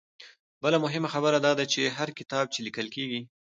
بله مهمه خبره دا ده چې هر کتاب چې ليکل کيږي